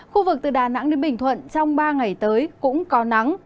khu vực từ đà nẵng đến bình thuận trong ba ngày tới cũng có nắng